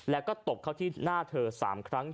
แล้วก็ตบเข้าที่หน้าเธอ๓ครั้ง